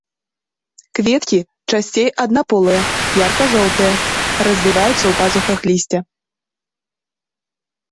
Кветкі часцей аднаполыя, ярка-жоўтыя, развіваюцца ў пазухах лісця.